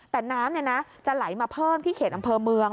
แต่น้ำจะไหลมาเพิ่มที่เขตอำเภอเมือง